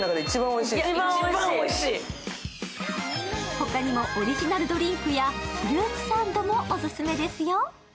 他にもオリジナルドリンクやフルーツサンドもオススメですよ。